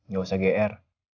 gak usah gr